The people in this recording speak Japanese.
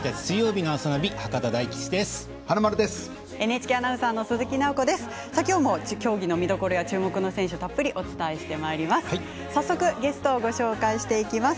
きょうも競技の見どころや注目の競技たっぷり紹介していきます。